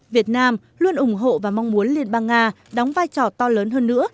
việt nam luôn ủng hộ và mong muốn liên bang nga đóng vai trò to lớn hơn nữa